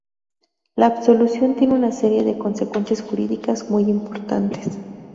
La absolución tiene una serie de consecuencias jurídicas muy importantes.